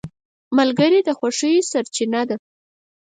ملګری د خوښیو سرچینه ده